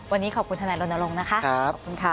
วันนี้ขอบคุณธนัยโรนโลงนะคะขอบคุณค่ะ